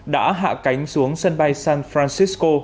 đã hạ cánh xuống sân bay san francisco